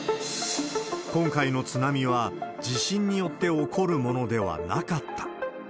今回の津波は、地震によって起こるものではなかった。